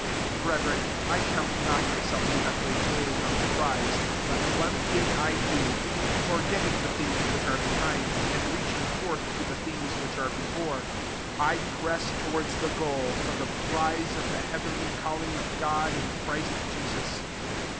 * 13 Brethren, I count not my self to have laid hold on the firize: but one thing / do ; for getting the things which are be hind, and reaching forth to the things which are before, 14 I press towards the goal, for the prize of the heavenly calling of God in Christ Jesus.